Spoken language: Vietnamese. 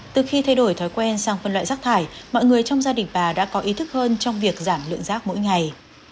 từ khi thay đổi thói quen sang phân loại rác thải mọi người trong gia đình bà đã có ý thức hơn trong việc giảm lượng rác mỗi ngày